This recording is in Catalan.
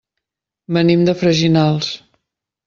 Venim de Freginals.